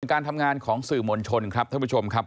การทำงานของสื่อมวลชนครับท่านผู้ชมครับ